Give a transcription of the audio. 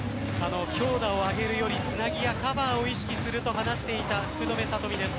強打を上げるよりつなぎやカバーを意識すると話していた福留慧美です。